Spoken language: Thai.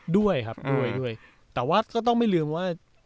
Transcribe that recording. ด้วยครับด้วยด้วยแต่ว่าก็ต้องไม่ลืมว่า